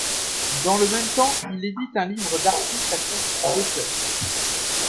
Dans le même temps, il édite un livre d'artiste à compte d'auteur.